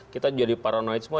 kita jadi paranoid semua